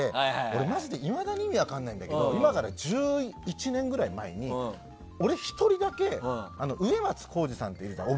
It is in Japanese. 俺マジでいまだに意味分かんないんだけど今から１１年ぐらい前に俺１人だけウエマツ・コウジさんっているじゃん。